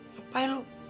eh apaan ini